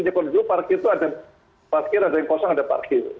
di kondisi dulu parkir itu ada yang kosong ada yang parkir